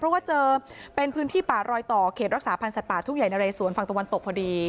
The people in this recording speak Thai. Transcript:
เพราะว่าเจอเป็นพื้นที่ป่ารอยต่อเขตรักษาพันธ์สัตว์ป่าทุ่งใหญ่นะเรสวนฝั่งตะวันตกพอดี